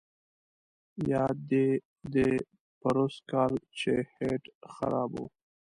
یاد دي دي پروسږ کال چې هیټ خراب وو.